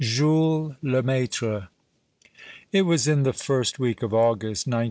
JULES LEMAlTRE It was in the first week of August, 1914.